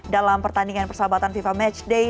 dalam pertandingan persahabatan fifa matchday